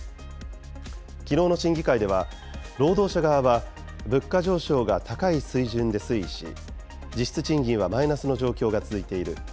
きのうの審議会では、労働者側は、物価上昇が高い水準で推移し、実質賃金はマイナスの状況が続いている。